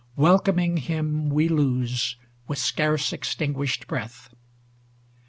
Welcoming him we lose with scarce extin guished breath.